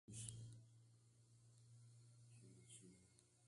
Tamane ndi bte nda kagii.